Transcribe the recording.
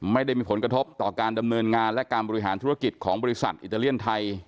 ไม่ได้มีผลกระทบต่อการดำเนินงานและการบริหารธุรกิจของบริษัทอิตาเลียนไทย